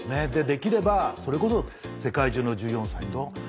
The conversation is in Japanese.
できればそれこそ世界中の１４歳と。